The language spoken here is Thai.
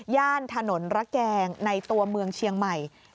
ย่านถนนระแกงในตัวเมืองเชียงใหม่